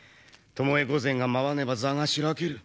巴御前が舞わねば座が白ける。